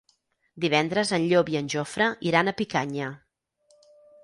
Divendres en Llop i en Jofre iran a Picanya.